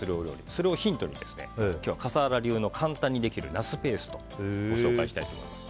それをヒントに今日は笠原流の簡単にできるナスペーストをご紹介したいと思います。